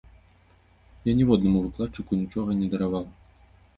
Я ніводнаму выкладчыку нічога не дараваў!